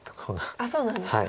あっそうなんですか？